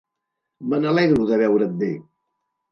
Me n'alegro de veure't bé.